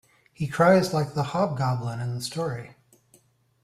He cries like the hobgoblin in the story.